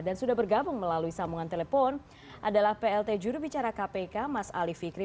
dan sudah bergabung melalui sambungan telepon adalah plt juru bicara kpk mas ali fikri